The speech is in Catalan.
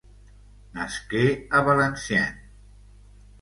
Nasqué a Valenciennes.